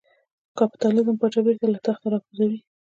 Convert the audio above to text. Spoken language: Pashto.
کاپیتالېزم پاچا بېرته له تخته را کوزوي.